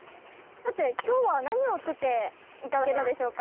さて今日は何を作っていただけるのでしょうか？